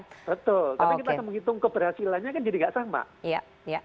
betul tapi kita menghitung keberhasilannya kan jadi nggak sama